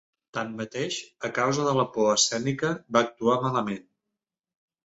Tanmateix, a causa de la por escènica, va actuar malament.